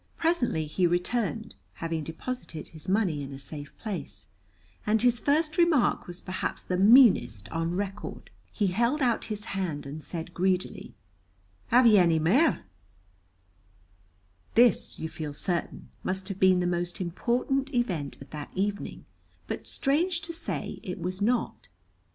Presently he returned, having deposited his money in a safe place, and his first remark was perhaps the meanest on record. He held out his hand and said greedily, "Have you ony mair?" This, you feel certain, must have been the most important event of that evening, but strange to say, it was not.